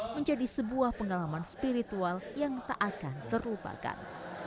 menjadi sebuah pengalaman spiritual yang tak akan terlupakan